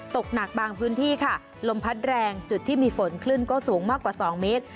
ตกหนักบางพื้นที่ค่ะลมพัดแรงจุดที่มีฝนคลื่นก็สูงมากกว่า๒เมตร